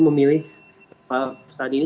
memilih pak sandi ini